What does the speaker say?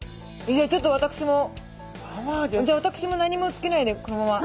ちょっと私もじゃ私も何もつけないでこのまま。